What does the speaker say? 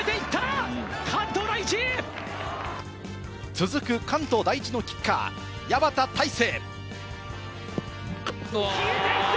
続く関東第一のキッカー・矢端虎聖。